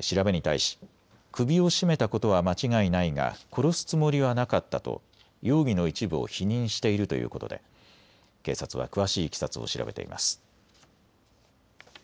調べに対し、首を絞めたことは間違いないが殺すつもりはなかったと容疑の一部を否認しているということで警察は詳しいいきさつを調べています。